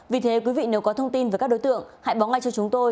vì thế quý vị nếu có thông tin về các đối tượng hãy báo ngay cho chúng tôi